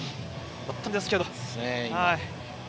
守ったんですけど。